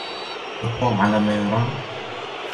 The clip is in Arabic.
هل توم على ما يرام؟